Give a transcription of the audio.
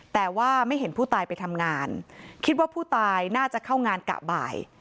แต่ว่าไม่เห็นผู้ตายไปทำงานคิดว่าผู้ตายน่าจะเข้างานกะบ่าย